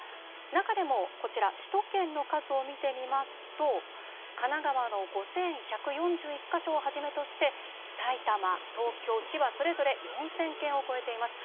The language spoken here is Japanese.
中でも首都圏の数を見てみますと神奈川の５１４１か所をはじめとして埼玉、東京、千葉それぞれ４０００件を超えています。